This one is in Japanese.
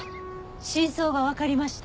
真相がわかりました。